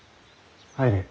・入れ。